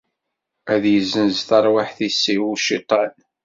Ad yessenz taṛwiḥt-nnes i uciṭan.